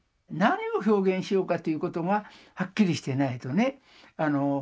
何を表現しようかということがはっきりしてないとね